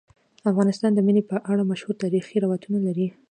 افغانستان د منی په اړه مشهور تاریخی روایتونه لري.